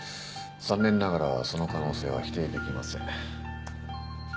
残念ながらその可能性は否定できません」